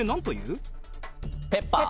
ペッパー。